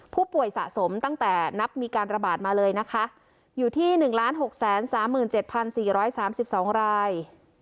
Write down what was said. ผู้ป่วยสะสมตั้งแต่นับมีการระบาดมาเลยนะคะอยู่ที่หนึ่งล้านหกแสนสามหมื่นเจ็ดพันสี่ร้อยสามสิบสองราย